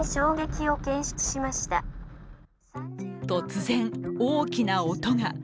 突然、大きな音が。